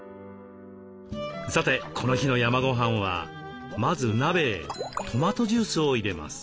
さてこの日の山ごはんはまず鍋へトマトジュースを入れます。